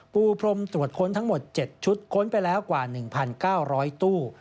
ปูพรมตรวจค้นทั้งหมด๗ชุดค้นไปแล้วกว่า๑๙๐๐ตู้